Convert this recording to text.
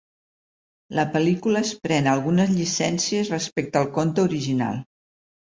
La pel·lícula es pren algunes llicències respecte al conte original.